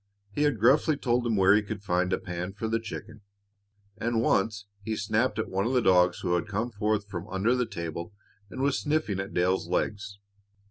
He had gruffly told him where he could find a pan for the chicken, and once he snapped out at one of the dogs who had come forth from under the table and was sniffing at Dale's legs.